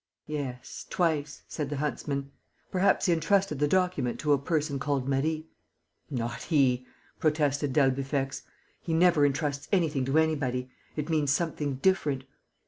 "Yes, twice," said the huntsman. "Perhaps he entrusted the document to a person called Marie." "Not he!" protested d'Albufex. "He never entrusts anything to anybody. It means something different."